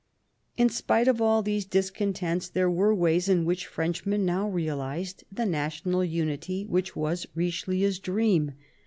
In spite of all these discontents there were ways in which Frenchmen now realized the national unity which was Richelieu's dream.